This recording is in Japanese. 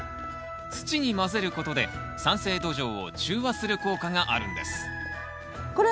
土に混ぜることで酸性土壌を中和する効果があるんですこれ